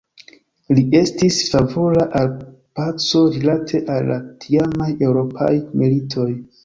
Li estis favora al paco rilate al la tiamaj eŭropaj militoj.